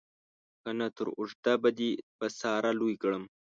که نه تر اوږده به دې په ساره لوی کړم.